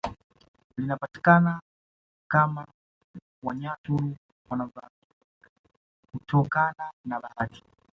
Lipatikana kama Wanyaturu wanaovyoamini hutokana na bahati